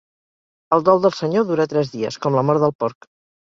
El dol del senyor dura tres dies, com la mort del porc.